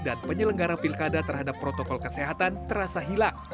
dan penyelenggara pilkada terhadap protokol kesehatan terasa hilang